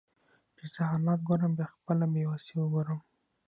چې زه حالات ګورم بیا خپله بیوسي وګورم